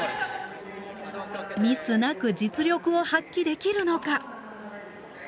ミスなく実力を発揮できるのか？